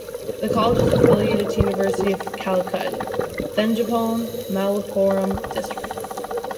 This college is affiliated to University of Calicut, Thenjipalam, Malappuram District.